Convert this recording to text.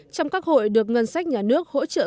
trong các hội được ngân sách nhà nước hỗ trợ